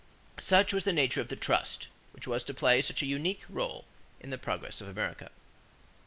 Such was the nature of the "trust," which was to play such an unique rôle in the progress of America.